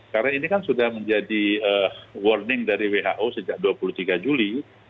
karena ini kan sudah menjadi warning dari who sejak dua puluh tiga juli